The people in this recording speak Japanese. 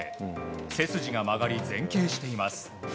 背筋が曲がり前傾しています。